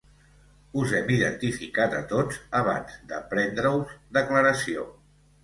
Us hem identificat a tots abans de prendre-us declaració.